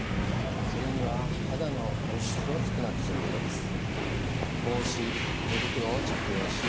それには肌の露出を少なくすることです。